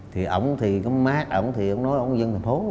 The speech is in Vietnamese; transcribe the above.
thì ổng thì có mát ổng thì nói ổng dân thành phố